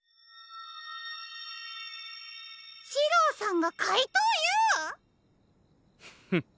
シローさんがかいとうＵ！？